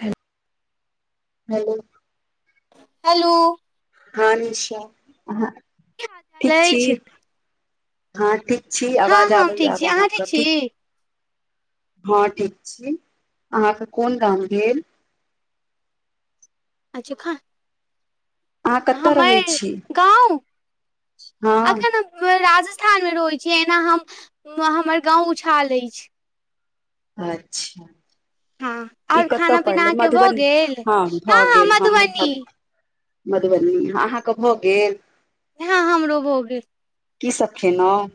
Hello hello. हँ निश ठीक छी। अछि हँ ठीक छी हँ आवाज हँ हम आबैय ठीक आब छी अहाँ अहाँके ठीक। छी हँ ठीक छी अहाँके कोन गाम भेल अच्छा खा। अहाँ कतय रहै हमर छी गाँव हँ अखन हम राजस्थानमे रहै छी एना हम हमर गाँव उछाल अछि अच्छा। हँ ई आओर कतय खाना पीना पड़लै अहाँके भऽ मधुबनी गेल हँ भऽ हँ गेल हँ मधुबनी हमहुँ मधुबनी अहँक भऽ गेल हँ हमरो भऽ गेल की सब खेलहुँ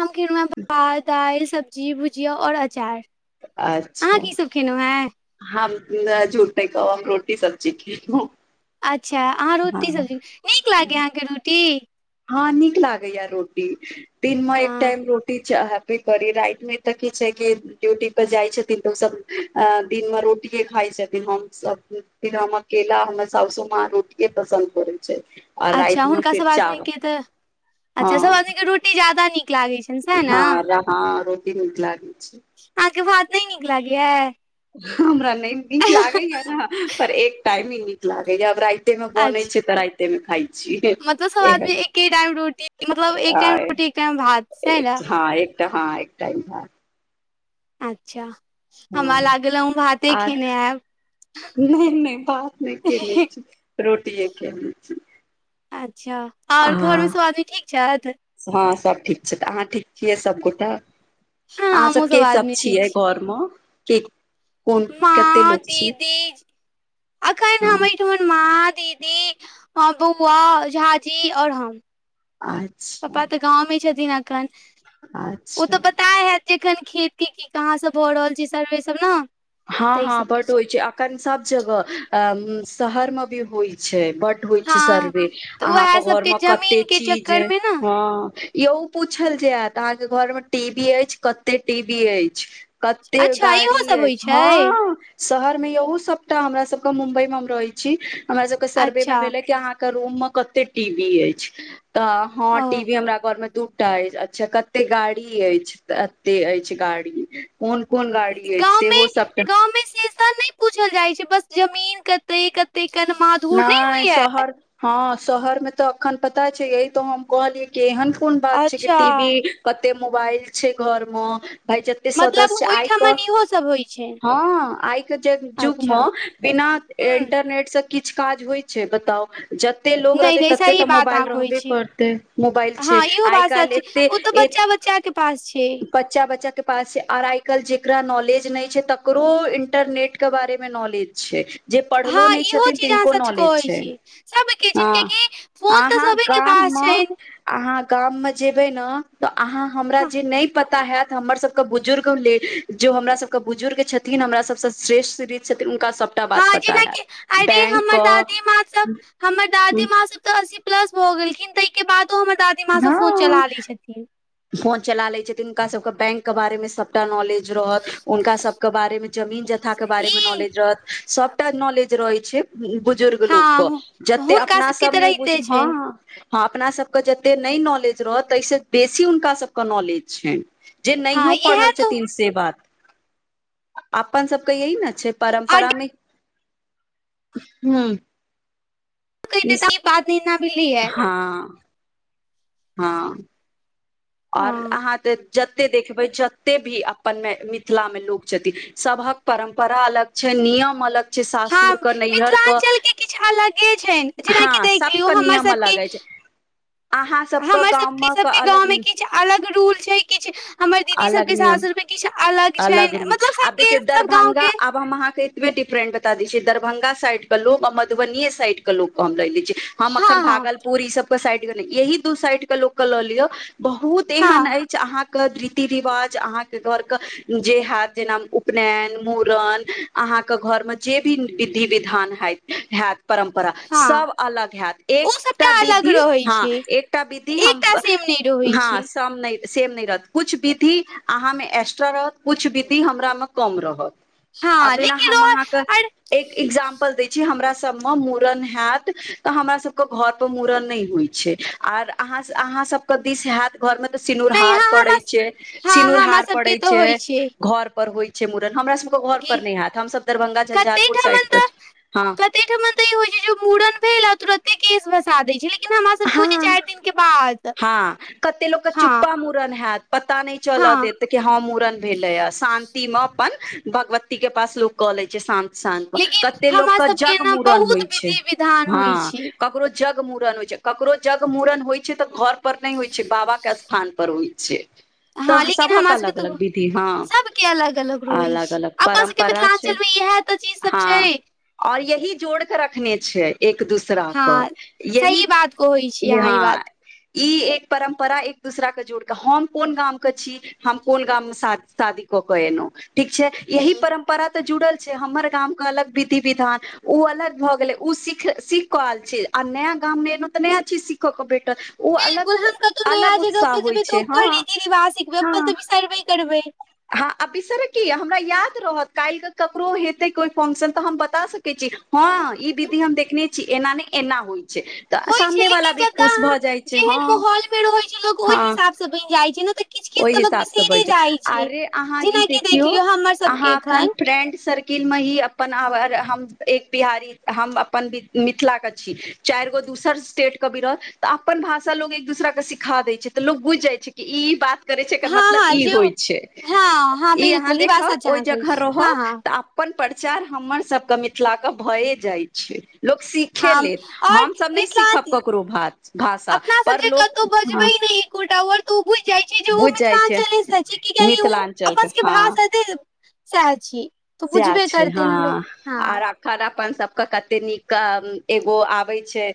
हम खलहुँ हऽ भात दालि सब्जी भुजिया आओर अचार अच्छा हैँ [unintelligible] हमने झूठ नै कहब हम रोटी सब्जी खेल्हु हँ अच्छा अहाँ रोटी सब्जी नीक लागै अहाँके रोटी हँ नीक लागैया रोटी दिन मऽ एक हँ टाइम रोटी चाहब भी करी रइत मऽ तऽ किछ छै कि ड्यूटी पर जाइ छथिन तऽ ओ सब अ दिन मे रोटिए खाइ छथिन हमसभ फिर हम अकेला हमर सउसोमाँ रोटी पसन्द करै छैय अच्छा हुनका सभ आदमी के तऽ अच्छा सब आदमी हँ कऽ रोटी ज्यादा नीक लागैत छै। हँ रोटी नीक लागैत छै अहाँके भात नहि निक लागय यऽ हमरा नहि नीक लागैया ने पर एक टाइम हीं नीक लागैया आब राइत तेमे बनै अच्छा छै तऽ राईते मऽ खाइ छी मतलब सब छी आ आदमी एके टाइम रोटी मतलब एक हँ टाइम आय रोटी एक टाइम भात सैह ने हँ तऽ हँ एक टाईम भात अच्छा हमरा हँ लागल अहाँ भाते खेने हायब नै नै भात नै केने छी रोटीए केने छी अच्छा आ आओर घरमे सब आदमी ठीक छथि हँ सब ठीक छैथ अहाँ ठीक छियै सभगोटा हँ अहाँ हमहुँ सब के सब आदमी ठीक छियै छी घरमे के कोन कते माँ लोक छी दीदीजी अखैन हँ हम [unintelligible] माँ दीदी बौआ झाजी आओर हम आय पपा तऽ गाँवमे छथिन एखन ओ अच्छा तऽ पता हैत एखन खेती कि कहाँ सब भऽ रहल छै सर्वे सब न हँ हँ बड होइ छै अखन सब जगह शहर मे भी होइ छै बड होइ छै हँ सर्वे तऽ अहाँके उएह ओर सबके मे जमीन कते के चीज चक्कर यै मे ने हँ यौ पूछल जेएत अहाँके घर मे टी वी अछि कते टी वी अछि। कते अच्छा इहो गाड़ी सब यै होइ छै हँ शहर मे यहो सबटा हमरा सबके मुम्बई मे हम रहै छी हमरा सब के सर्वे मे अच्छा भेले कि अहाँ के रूम मे कते टीवी अछि त हँ ओ टी वी हमरा घर मे दु अछि अच्छे कते गाड़ी अछि एते अछि गाड़ी कोन कोन गाड़ी अछि सेहो सबके हमे से नै पूछल जाइ छै बस जमीन कते कते कनमा नय शहर मे हँ शहर मे तऽ एखन पता छै यही त हम कहलियै टेहन कोन बात छै कि अच्छा टीवी कते मोबाइल छै घर म भाइ जते मतलब सदस्य आइ क ओहिठमन इहो सब होइ छै हँ आइ के जे जुग अच्छा म बिना ह इंटरनेट से किछ काज होइ छै बताउ ज एते लोग नहि रहतै नहि ततै सही तऽ बात अहाँ मोबाइल कहै रहबे छी करतै मोबाइल छै आइ काल्हि एते च्चा के पास छै बच्चा बच्चा के पास छै आर आइ काल्हि जकरा नॉलेज नै छै तकरो इंटरनेट क बारे मे नॉलेज छै जे पढ़लो हँ नै इहो छतिन चीज अहाँ तिनको सच नाॅलेज कहै छै छी सबके छै हँ कियाकि फोन तऽ आहाँ सभे के गाम पास मे छै अहाँ गाम म जेबै न तऽ आहाँ हमरा जे नै पता होयत हमर सबके बुजुर्ग लेल जे हमरा सबके बुजुर्ग छथिन हमरा सबसँ श्रेष्ठ जे छथिन हुनका सब टा बात पता हैत। ए बैंक हमर के दादी माँ सब हमर दादी माँ सब तऽ अस्सी प्लस भऽ गेलखिन ताईके बादओ हमर दा हँ कथी फोन चला लै छथिन हुनका सबके बैंक के बारे मे सबटा नॉलेज रहत हुनका सबके बारे मे जमीन जथा के बारे मे ई नॉलेज रहत सभटा नॉलेज रहै छै बुजुर्ग हँ लोकके हु- जते हुनका अपना सबके सब तऽ नै बुझ रहिते हँ छनि हँ अपना सबके जते नै नॉलेज रहत ताहिसँ बेसी हुनका सभके नॉलेज छनि जे हँ नहियो इएह पढ़ल तो छथिन से से बात अपन सबके यही न छै आर परम्परामे हूँ कहि दे त ई बात न एना बिली या हँ हँ आओर हँ अहाँ तऽ जते देखबै जते भी अपन मे मिथिला मे लोकोग छथिन सभहक परम्परा अलग छै नियम अलग छै सासुर कऽ नैहर कऽ किछ अलगे छनि जेनाकि हँ देख लियौ सबके हमर नियम अलग सबके अछि अहाँ सबके गाम कऽ अलग किछ अलग रूल छै किछु हमर दीदी अलग सबके नियम सासुर मऽ किछु अलग छनि रूल मतलब आब सबके देखियौ सब गाँंव दरभंगा के आब हम अहाँके डिफरेंट बता दे छिय दरभंगा साइड केो आ मधुबनीए साड के लोको कह हम लेिय हम अखन हँ हँ भागलपुर ई सब के साइड गेल य दू साइड के लोको के लऽ लियो बहुत एहन हँ अछि हाँके रीति रिवाज अहाँके घरके जे हयत जेना उपनयन मुूड़न अहाँके घर मऽ जे भी विधि विधान हत हत परम्परा हँ सब अलग हयैत एक ओ एकटा सबटा अलग विधि रहै हँ छै एकटा विधि हम एकटा सेम नहि रहै हँ छै सम नहि सेम नहि रहत कुछ विधि अहाँ मऽ एक्स्ट्रा रहत कछ विधि हमरा मे कम रहत हँ अब जेना लेकिन हम रह अहाँके आर एक एग्जाम्पल देय छी हमरा सब मऽ मुूड़न हयत त हमरा सब के घर पर मुूड़न न होइ छै आ आहा सब दिस हैत घर में तऽ सिनूर नहि हार यहाँ हमरा पड़े छै हँ सिनूर हमरा हार सबके पड़े तऽ छै होइ घर पर होइ छै मड़न हमरा सबके घर कि पर नहि हयैतत हमसभ दरभंगा झंझारपुर साइड के छी हँ ऐ ठाम तऽ ई होइ छै जे मूड़न भेल तुरते केश भसा द छै लेकिन हमरा सब के हो छै हँ चारि दिन के बाद हँ कते लोक कऽ हँ चुप्पा मुूड़न हत पता नहि चल हँ देत त ह मूड़न भेले ह शानंति मे अपन भगवती के पास लोग कऽ ले छै शान शांत मऽ लेकिन कते लोक हमरा के सबके जग एना मुूड़न बहुत होइ छै विधि विधान हँ होइ छै ककरो जग मुूड़न होइ छै ककरो जग मुूड़न होइ छै तऽ घर पर नहि होइ छै बाबा कऽ स्थान पर होइ छै हँ तऽ लेकिन सभक हमरा सबके अलग तऽ अलग विधि हँ सबके अलग अलग रहै अछि अलग अपना सबके परम्परा छै मिथिलाञ्चल मऽ इह चीज सब हँ छै और यही जोड़ कऽ रखने छै एक दूसरा हँ कऽ यही सही बात कहै छी य अहाँ ई यहाँ बात ई एक परम्परा एक दूसरा कऽ जोड़ के हम कोन गाम के छी हम कोन गाम मऽ शादी कऽ केऽ एलहुँ ठीक छै यही हम्म, परम्प रा तऽ जुड़ल छै हमर गाम के अलग विधि विधान ओ अलग भऽ गेलै ओ सिख सीख कऽ आल छै आ नया गाममे एयलहुँ तऽ नया चीज सीखय कऽ भेटल ओ बिल्कुल हम अलग कतहु नया अलग जगह उत्साह पर होइ जेबै तऽ छै हँ हँ की करबै हँ आ बिसर कि हमरा याद रहत काल्हि के ककरो हेतै कोई फंक्शन तऽ हम बता सक हँ ई विधि हम देखने छी एना ने एना होइ छै तऽ होइ छै सामने वाला लेकिन भी खुश भऽ जाइ छै हँ हो छै लोक ओहि हँ हिसाब से बनि जाइ छै ने तऽ किछु किछ ओहि तऽ लोक हिसाबसँ बिसेरे बजि जाइ छै अरे अहाँ ई जेनाकि देख देखियो लियौ हमर अहा सबके अखन एखन फ्रेंड स वकिल मे ही अपन आ हम एक बिहारी हम अपन मिथिलाके छी चारिगो दूसर स्टेट कऽ भी रह तऽ अपन भाषा लोक एक दुसरा के सिखा दैत छै तऽ लोक बुझि जाइ छै ई ई बात करै छै एकर हँ मतलब हँ ई जो होइ छै हँ हँ ई अहाँ बिल्कुल बात देखब सच ओई अहाँ कहै जगह छी हँ रहब हँ तऽ अपन प्रचार हमर सबके मिथिला के भए जाइ छै लोक सीखे हँ लेत आओर हमसभ नै सीखब मिथिलाञ्चल ककरो भात भाषा पर लोक हँ कोटावर तऽ उ बुझि जाइ छै जे ओ बुझि जाइ छै मिथिलाञ्चले रहै छै कियाकि ओ मिथिलाञ्चलके अपन सबके हँ भाषा एते सहची तऽ बुझबे करतै न लोक हँ खारापन सबके कते नीक एगो आबै छै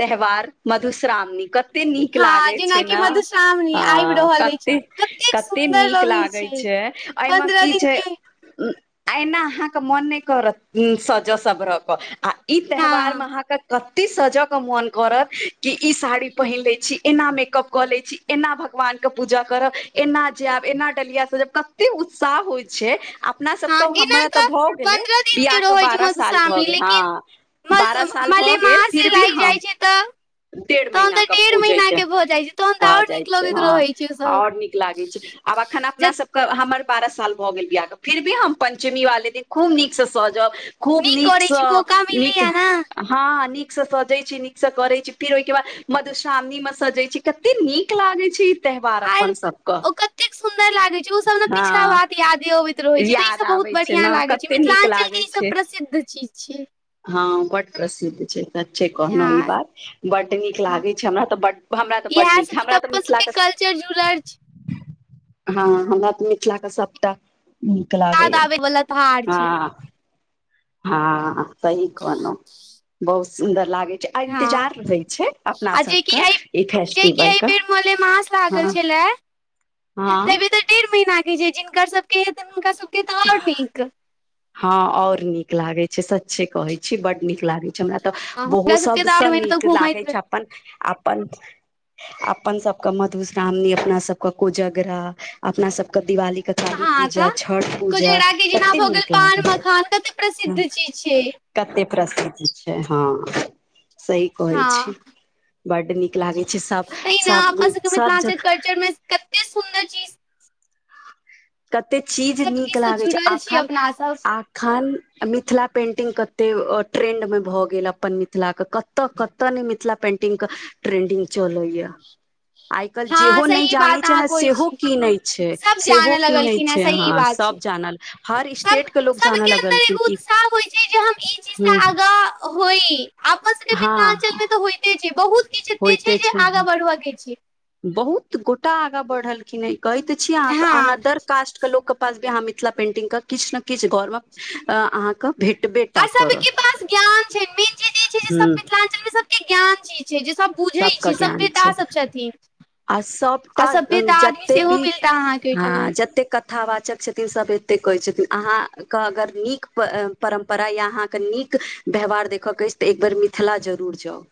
त्यौहार मधुश्रावणी क कते नीक हँ लागैे छै जेनाकि न मधुश्रावणी आबि हँ रहल अछि कते कतेक कते सुन्दर नीक लगै लागै छै पन्द्रह दिन के एहना अहाँके मोन नै करत सज सबर क आ ई त्यौहार मे हँ अहाँके एतेक सजऽ के मोन करत कि ई साड़ी पहिर लै छी एना मेकप कऽ लै छी एना भगवान के पूजा करब एना जायब एना डलिया सजब कते उत्साह होइ छै अपना हँ सबके एना हमरा ए तऽ भऽ गेलै पन्द्रह दिन बियाह के रहै छै बारह साल भऽ मधुश्रावणी गेल हँ बारह लेकिन साल भऽ गेल मलेमास फिर जे भी लागि हम जाइ छै तऽ डेढ़ तहन महीना तऽ क डेढ़ पूजै महीना क के भऽ जाइ छै तहन तऽ भऽ आओर जाइ नीक छै लगैत हँ रहै छै सब आओर नीक लागै छै आब अखन अपना जे सबके हमर बारह साल भऽ गेल बियाहके फिर भी हम पञ्चमी वाले दिन खूब नीकसँ सहजब खूब नीक करै नीकसँ छी मौका नीक मिलैया ने हँ नीक स सजै छी नीक स करै छी फिर ओहिके बाद मधुश्रावणी मे सजै छी कते नीक लागै छै त्यौहार आर अपन सबक ओ हँ िय ओ भ [unintelligible] याद आबै छै न कते नीक लागै के ई सब छै प्रसिद्ध चीज छै हँ बड प्रसिन छै सच्चे कहनौ ई हँ बात बड नीक हँ, लागै छै हमरा तऽ बड हमरा तऽ बड इएह नीक सब हमरा तऽ अपन सबके मिथिलाके सब कल्चर [unintelligible] हँ हँ हमरा तऽ मिथिलाके सभटा नीक याद लागैए आबै बला तऽ भार छै हँ हँ सही कहनौ बहुत सुन्दर लागै हँ एन्तजार रहै छै अपना आ जेकि सबक एहि ई जेकि एहि फेस्टिवलक बेर मलेमास लागल छएला हँ डेढ़ महीना के छै जिनकक सबके के हेतै हुनका सबके तऽ आओर नीक हँ आओर नीक लागै छै सच्चे कहै छी बड नीक लागै हमरा तऽ बहु हुनका सबके तऽ आओर सबसँ महीना तऽ नीक लागै घुमैत रह। छै अपन अपन अपन सबके मधुश्रावणी अपना सबके कोजगरा अपना सबके दिवाली त काली हँ पूजा तऽ छठ पूजा कोजगरा के जेना कते भऽ गेल नीक पान लागे छै मखान कते हँ प्रसिद्ध चीज छै कते प्रसिद्ध छै हँ सही कहै हँ छी बड नीक लागै छै सब तहिना सब अपना सबके सब मिथिलाञ्चल जगह कल्चरमे कते सुन चीज कते चीज सब नीक किछ से लागैत छै जुड़ल छी आखन अपना सब आ खान मिथिला पेंटिंग कते ट्रेंड मे भऽ गेल अपन मिथिला क कत कतऽ कतय नै मिथिला पेंटिंग के ट्रेंडिंग चलैया आइ काल्हि हँ जेहो नै सही जानै बात छै अहाँ न कहै सेहो छी कीनै छै सब सेहो जानऽ की नय लगलखिन हेँ छै सही हँ बात छै सब जानल हर सब स्टेट के लोग जानऽ सबके अन्दर लगलखिन एगो कि उत्साह होइ छै जे हम ई चीज हु से आगाँ होइ अपन सबके मिथिलाञ्चल मे तऽ होइते छै बहुत कि होइते छै नय रहय के छै बहुत गोटा आगाँ बढ़लखिन ह कहै तऽ छीयै अहाँके हँ अनदर कास्ट के लोक के मिथिला पेंटिंग क किछ न किछ घर म अहाँ क भेट भेट आ सबके पास ज्ञान छै [unintelligible] हू मिथिलाञ्चल मे सबके ज्ञान चीज छै जे सब बुझै सबके छै ज्ञान सभ्यता छै सब छथिन आ आ सबटा सभ्यता आदमी जते सेहो भी मिलता अहाँके ओहिठमन हां जते कथा वाचक छथिन सभ एते कहै छथिन अहाँ क अगर नीक परम्प रा यहां क नीक व्यहार देखऽ के अछि त एक बेर मिथिला जरुर जाउ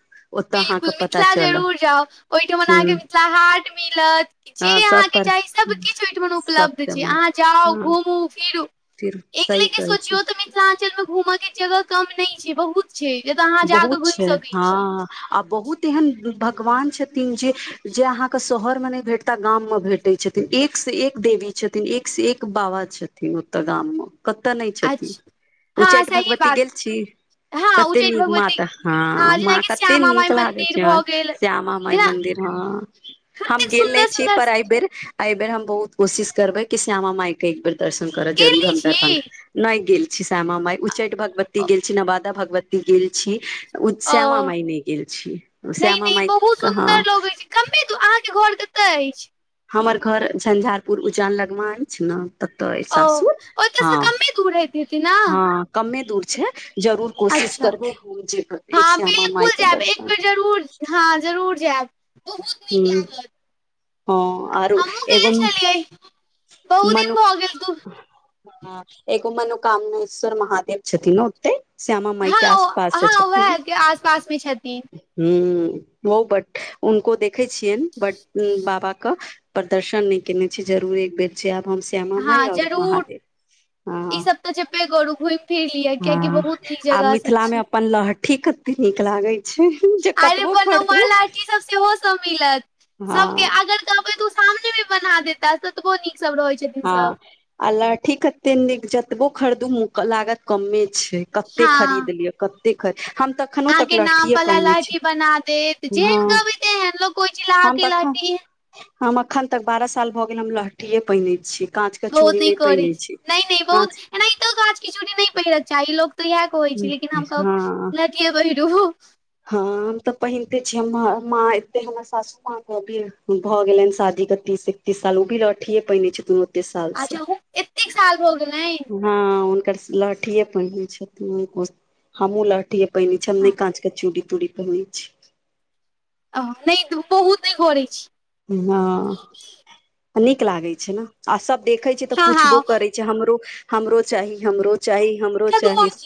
ओतऽ बिल्कुल अहाँके पता मिथिला चलत जरूर जाउ ओहिठमन अहाँके ह मिथिला हाट मिलत हँ जे सब अहाँके पर चाही सभ किछ ओहिठमन सब उपलब्ध त छै हमर अहाँ जाउ हँ घूमू फिरू फिर सही कहै छी मिथिलाञ्चल मे घूमऽके जगह कम नहि छै बहुत छै जतय अहाँ जाकऽ बहुत घुमि छै सकै हँ छी आ बहुत एहन भगवान छेथिन जे जे अहाँके शहर मे नय भेटता गाम मे भेटै छथिन एक स एक देवी छथिन एक से एक बाबा छथिन ओतऽ गाम मे कतऽ नय छथिन अच्छा हँ उच्चैठ सही भगवती बात गेल छी हँ कते उच्चैठ नीक माता भगवती हँ मां जेनाकि कते श्यामा माइ नीक लागै मन्दिर छै भऽ गेल श्यामा माई जेना मंदिर हँ हम कतेक गेल नय सुन्दर छी सुन्दर पर अइ बेर अई बेर हम बहुत कोशिश करबै कि श्यामा माय के एक बेर दर्शन करऽ गेल जरूर नहि हम छी दरभंगा नय गेल छी श्यामा माय उच्चैठ भगवती गेल छी नवादा भगवती गेल छी ओ श्यामा माय नय गेल छी ओ नहि श्यामा नहि माय बहुत कहाँ सुन्दर लगैत छै कमे दू अहाँके घर कतऽ अछि हमर घर झंझारपुर उज्जान लग मे अछि न ततऽ अए ओ सासुर ओतऽ हँ से कमे दूर होइत हेतै ने हँ कमे दूर छै जरूर कोशिश अच्छा करबै [unintelligible] हँ श्यामा बिल्कुल माई क जायब एक दर्शन बेर जरूर हँ जरूर जायब नीक हूं लागत हँ आरो हमहुँ एगो गेल म् छलियै बहुत मनु दिन भऽ गेल तू हं एगो मनोकामनेश्वर महादेव छथिन ओते श्यामा माई के आसपास हँ से हँ छथिन उएह के आस पास मे छथिन हूं ओ बट हूनको देखै छियनि बट बाबा कऽ प्रदर्शन नय केने छै जरुरे बेर छै आब हम श्यामा माइ हँ आओर जरूर महादेव ह ई सब तऽ जेपे गरू घूइम हँ आ मिथिला मे छै अपन लहठी कते नीक लागै छै जे आइ रे कतबो बनौआ खरीदू लहठी सब सेहो मिलत सबके हँ अगर कहबै तऽ ओ सामने बना देता ततबो नीक सब रहै छै हँ आ लहठी कते नीक जतबो खरीदू लागत कमे छै कते खरीद लिय कते खरी हम तऽ एखनो अहाँ तक के नाम लहठिये वाला पहिने छी लहठी बना देत जेहन हँ कहबै तेहन लोग कहे छैय लाह हम के तऽ एखन लहठी हम अखन तक बारह साल भऽ गेल हम लहठीए पहिनै छी काँचके बहुत चूड़ी नहि नै करै पहिनै छै छी नहि नहि बहुत काँच एनाहितो काँच के चूड़ी नै पहिरैक चाही लोक तऽ इहा कहै हँ छै लेकिन हमकहब लहठीय पैहिरू हँ हम तऽ पहिनते छी हम माँ एत्तहमर सासू माँ के अभी भऽ गेलनि शादीके तीस से तीस साल ओ भी लहठीए पहिनै छथून अच्छा उ एतेक साल भ गेलैन हँ हुनकर स लहठी पहिनै छथिन हमहु लठही पहिनै छीयै हम नै काँच के चूड़ी तूड़ी पहिनै छीयै अ हँ नै दु बहुदे घरै छी हँ नीक लागै छैय न आ सब देखै छैय तऽ हँ पूछबो हँ करै छैय हमरो हमरो चाही हमरो चाही हमरो कदुआ चाही स जी